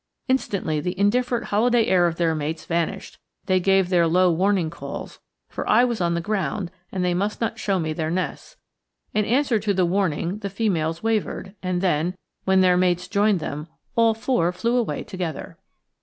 Instantly the indifferent holiday air of their mates vanished. They gave their low warning calls, for I was on the ground and they must not show me their nests. In answer to the warning the females wavered, and then, when their mates joined them, all four flew away together.